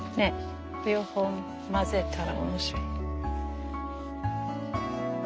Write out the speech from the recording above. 両方交ぜたら面白い。